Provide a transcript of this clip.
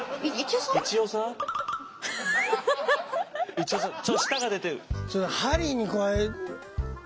一葉さんちょっ舌が出てる。